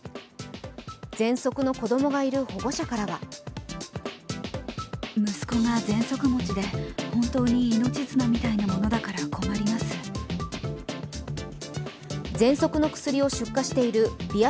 ぜんそくの子供がいる保護者からはぜんそくの薬を出荷しているヴィア